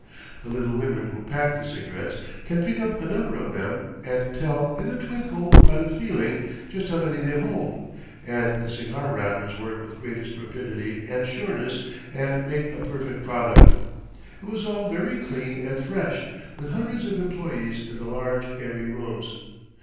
The little women who pack the cigarettes can pick up a number of them and tell in a twinkle by the feeling just how many they hold, and the cigar wrappers work with greatest rapidity and sureness and make a perfect product. It was all very clean and fresh, with hundreds of employees in the large, airy rooms.